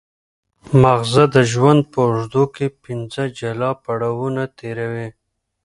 ماغزه د ژوند په اوږدو کې پنځه جلا پړاوونه تېروي.